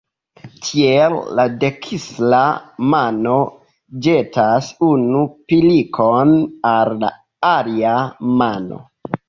Tiel, la dekstra mano ĵetas unu pilkon al la alia mano.